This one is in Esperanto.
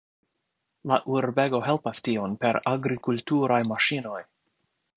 La urbego helpas tion per agrikulturaj maŝinoj.